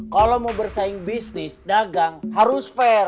kalau mau bersaing bisnis dagang harus fair